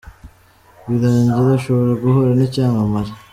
Rwirangira ashobora guhura n’cyamamare